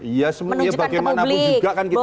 iya sebenarnya bagaimanapun juga kan kita